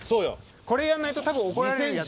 これやんないと多分怒られるやつ。